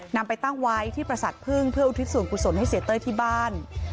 นำไปตั้งไว้ที่ประสาทพึ่งเพื่ออุทิศส่วนกุศลให้เสียเต้ยที่บ้าน